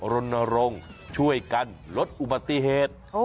รณรงค์ช่วยกันลดอุบัติเหตุ